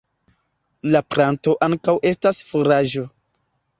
La planto ankaŭ estas furaĝo.